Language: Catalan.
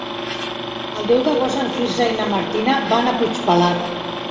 El deu d'agost en Quirze i na Martina van a Puigpelat.